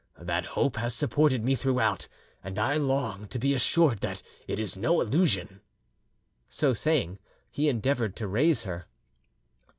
That hope has supported me throughout, and I long to be assured that it is no illusion." So saying, he endeavoured to raise her.